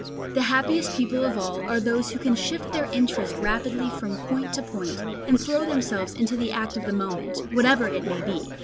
The happiest people of all are those who can shift their interest rapidly from point to point, and throw themselves into the act of the moment, whatever it may be.